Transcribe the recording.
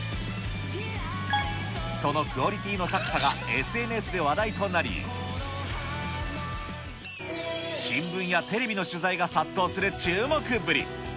そのクオリティーの高さがＳＮＳで話題となり、新聞やテレビの取材が殺到する注目っぷり。